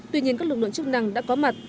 tuy nhiên các lực lượng chức năng đã có mặt